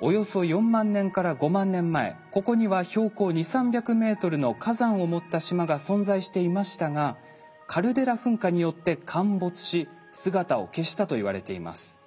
およそ４万年から５万年前ここには標高２００３００ｍの火山を持った島が存在していましたがカルデラ噴火によって陥没し姿を消したといわれています。